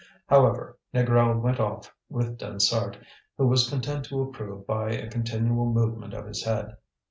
However, Négrel went off with Dansaert, who was content to approve by a continual movement of his head.